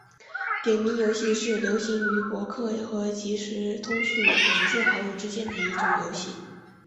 点名游戏是流行于博客和即时通讯软件好友之间的一种游戏。